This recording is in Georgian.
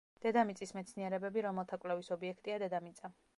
დედამიწის მეცნიერებები, რომელთა კვლევის ობიექტია დედამიწა.